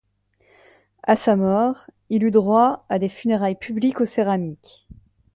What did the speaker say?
À sa mort, il eut droit à des funérailles publiques au Céramique.